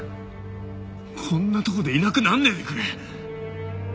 こんなとこでいなくならねえでくれ。